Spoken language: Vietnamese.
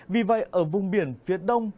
vì vậy ở vùng biển phía đông